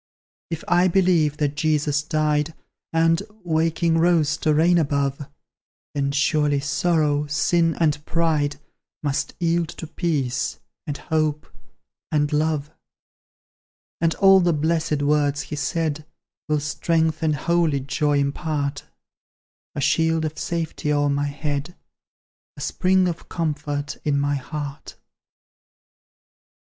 If I believe that Jesus died, And waking, rose to reign above; Then surely Sorrow, Sin, and Pride, Must yield to Peace, and Hope, and Love. And all the blessed words He said Will strength and holy joy impart: A shield of safety o'er my head, A spring of comfort in my heart.